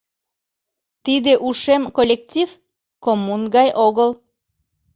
Тиде ушем коллектив, коммун гай огыл.